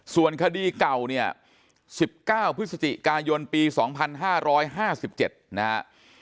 ส่วนคดีเก่าเนี่ย๑๙พฤศจิกายนปี๒๕๕๗นะฮะ